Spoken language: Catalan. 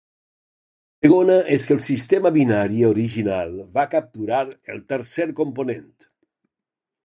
La segona és que el sistema binari original va capturar el tercer component.